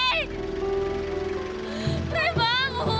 fri fri bangun fri